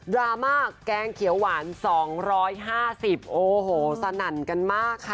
ราม่าแกงเขียวหวาน๒๕๐โอ้โหสนั่นกันมากค่ะ